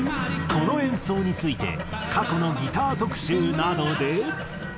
この演奏について過去のギター特集などで。